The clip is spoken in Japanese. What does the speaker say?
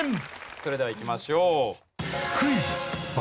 それではいきましょう。